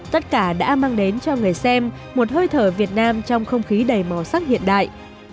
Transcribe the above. tất cả đã mang đến cho người xem một hơi thở việt nam trong không khí đầy màu sắc hiện đại